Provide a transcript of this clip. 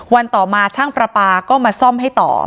ต่อมาช่างประปาก็มาซ่อมให้ต่อ